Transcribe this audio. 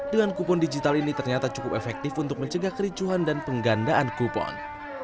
dengan kupon digital ini ternyata cukup efektif untuk mencegah kericuhan dan penggandaan kupon